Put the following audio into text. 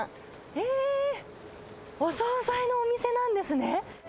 えー、お総菜のお店なんですね。